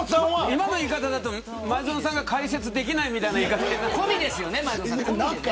今の言い方だと前園さんが解説できないみたいな言い方。